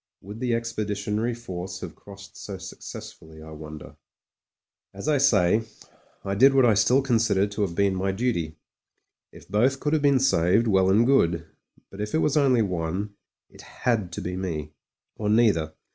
Would the Expeditionary Force have crossed so successfully, I wonder ? As I say, I did what I still consider to have been my duty. If both could have been saved, well and good ; but if it was only one, it had to be me, or neither.